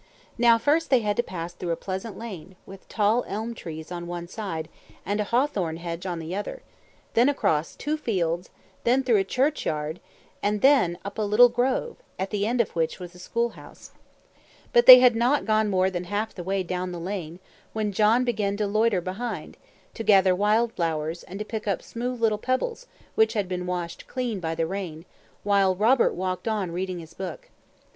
Now, first they had to pass through a pleasant lane, with tall elm trees on one side, and a hawthorn hedge on the other; then across two fields; then through a churchyard, and then up a little grove, at the end of which was the school house. But they had not gone more than half the way down the lane, when John began to loiter behind, to gather wild flowers, and to pick up smooth little pebbles which had been washed clean by the rain, while Robert walked on reading his book.